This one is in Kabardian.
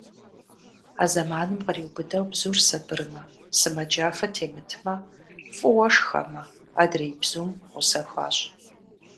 А зэманым къриубыдэу бзур сабырмэ, сымаджафэ темытмэ, фӏыуэ шхэмэ, адрей бзум гъусэ хуащӏ.